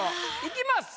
いきます。